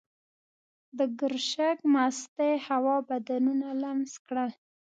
د ګرشک مستې هوا بدنونه لمس کړل.